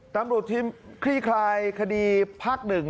ตำรวจทีมคลี่คลายคดีภาค๑